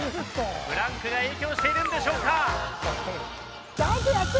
ブランクが影響しているんでしょうか？